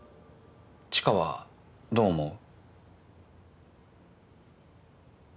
知花はどう思う？